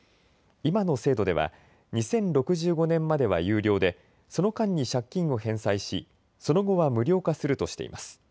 今の制度では２０６５年までは有料で、その間に借金を返済しその後は無料化するとしています。